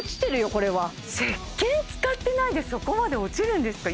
これはせっけん使ってないでそこまで落ちるんですか